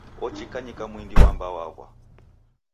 Ochikanyika mwindi wamba waghwa